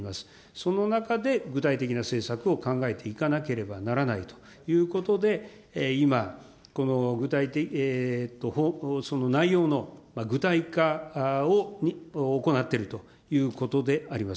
その中で具体的な政策を考えていかなければならないということで、今、内容の具体化を行っているということであります。